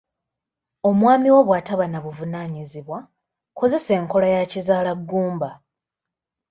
Omwami wo bw'ataba na buvunaanyizibwa, kozesa enkola ya kizaalaggumba.